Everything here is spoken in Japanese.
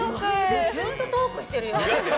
もうずっとトークしてるよ。